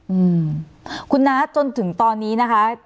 อืมคุณน้าจนถึงตอนนี้นะคะ